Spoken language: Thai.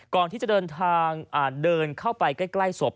ก่อนที่จะเดินทางเดินเข้าไปใกล้ศพ